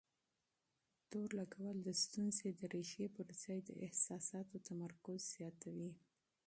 تور لګول د ستونزې د ريښې پر ځای د احساساتو تمرکز زياتوي.